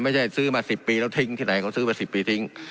ไม่ใช่ซื้อมาสิบปีแล้วทิ้งที่ไหนเขาซื้อมาสิบปีทิ้ง